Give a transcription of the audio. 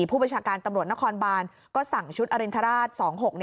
ผู้บัญชาการตำรวจนครบานก็สั่งชุดอรินทราช๒๖๑